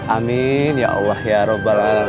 amin ya allah ya rabbal